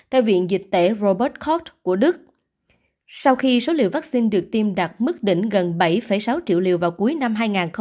theo viện dịch tễ robert koch của đức sau khi số liều vắc xin được tiêm đạt mức đỉnh gần bảy sáu triệu liều vào cuối năm hai nghìn hai mươi một